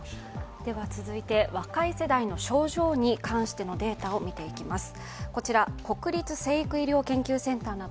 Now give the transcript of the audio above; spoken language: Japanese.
続いて若い世代の症状に関してのデータを見ていきます。